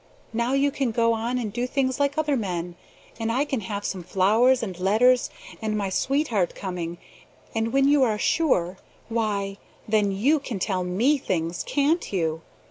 Now you can go on and do things like other men, and I can have some flowers, and letters, and my sweetheart coming, and when you are SURE, why, then YOU can tell ME things, can't you?